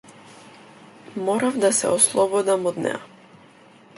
Морав да се ослободам од неа.